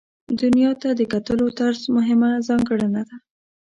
دنیا ته د کتلو طرز مهمه ځانګړنه ده.